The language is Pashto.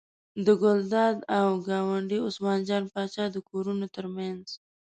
د ګلداد او ګاونډي عثمان جان پاچا د کورونو تر منځ.